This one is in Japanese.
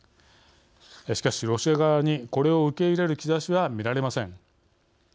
しかし、ロシア側にこれを受け入れる兆しは見られません。